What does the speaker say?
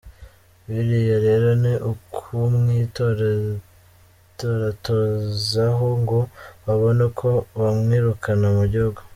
Biriya rero ni ukumwitoratozaho ngo babone uko bamwirukana mu gihugu!